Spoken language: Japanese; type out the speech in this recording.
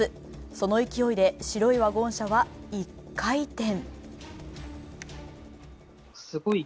その勢いで白いワゴン車は１回転。